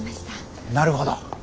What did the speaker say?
なるほど。